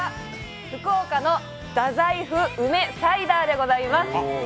福岡の太宰府梅サイダーでございます。